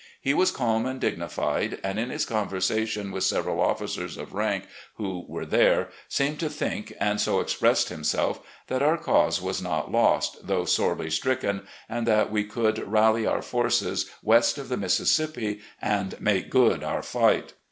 He was calm and dignified, and, in his conversation with several officers of rank who were there, seemed to think, and so expressed himself, that our cause was not lost, though sorely stricken, and that we could rally oiir forces west of the Mississippi and make good our fight.